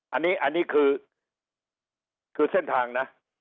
อันนี้อันนี้คือคือเส้นทางนะ